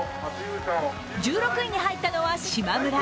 １６位に入ったのは、しまむら。